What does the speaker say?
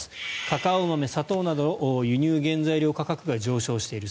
カカオ豆、砂糖など輸入原材料価格が上昇している。